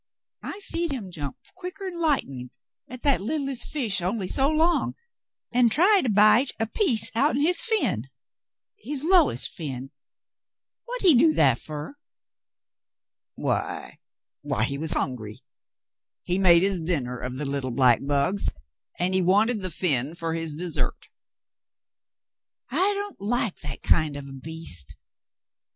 I seed him jump quicker'n Hghtnin' at that leetHst fish only so long, an' try to bite a piece outen his fin — his lowest fin. What did he do that fer.^^" "Why — why — he was hungry. He made his dinner off the little black bugs, and he wanted the fin for his dessert." "I don't like that kind of a beast.